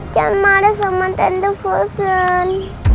jangan marah sama tante fosun